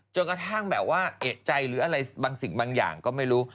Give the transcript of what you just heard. จนกระทั่งแบบว่าเอกใจหรืออะไรบางสิ่งบางอย่างก็ไม่รู้